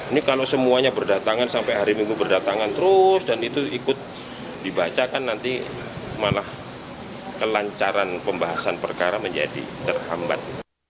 ini kalau semuanya berdatangan sampai hari minggu berdatangan terus dan itu ikut dibaca kan nanti malah kelancaran pembahasan perkara menjadi terhambat